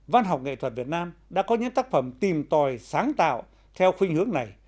văn học nghệ thuật việt nam đã có những tác phẩm tìm tòi sáng tạo theo khuyên hướng này